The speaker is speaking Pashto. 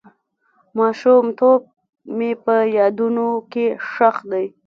ماشومتوب مې په یادونو کې ښخ دی.